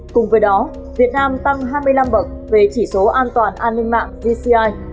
cùng với đó việt nam tăng hai mươi năm bậc về chỉ số an toàn an ninh mạng gci